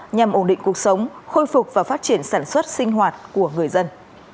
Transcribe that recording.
nhằm ổn định cuộc sống khôi phục và phát triển sản xuất sinh hoạt của người dân